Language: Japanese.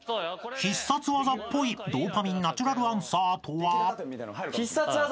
［必殺技っぽいドーパミンナチュラルアンサーとは］